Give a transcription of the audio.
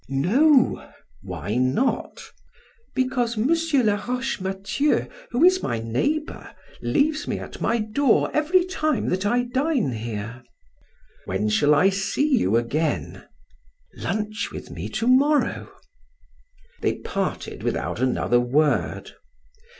"No." "Why not?" "Because M. Laroche Mathieu, who is my neighbor, leaves me at my door every time that I dine here." "When shall I see you again?" "Lunch with me to morrow." They parted without another word.